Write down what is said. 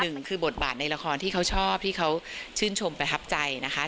หนึ่งคือบทบาทในละครที่เขาชอบที่เขาชื่นชมประทับใจนะคะ